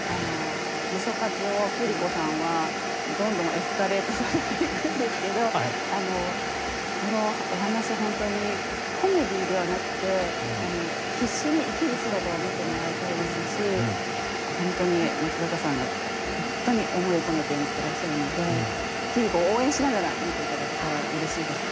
ムショ活を桐子さんはどんどんエスカレートさせていくんですけどこのお話本当にコメディーではなくて必死に生きる姿を見てもらいたいですし本当に松坂さんが本当に思いを込めて演じてらっしゃるので桐子を応援しながら見て頂けたらうれしいです。